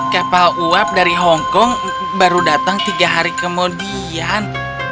kapal uap dari hongkong baru datang tiga hari kemudian